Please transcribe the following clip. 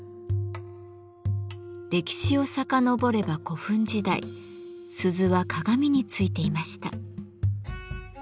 歴史をさかのぼれば古墳時代鈴は鏡についていました。